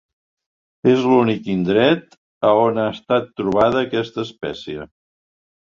És l'únic indret a on ha estat trobada aquesta espècie.